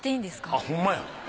あっホンマや。